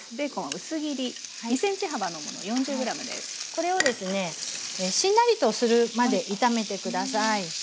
これをですねしんなりとするまで炒めて下さい。